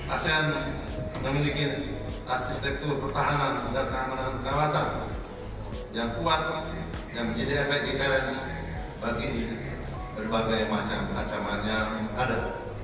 asean memiliki arsitektur pertahanan dan keamanan kawasan yang kuat yang menjadi efek defallenge bagi berbagai macam ancaman yang ada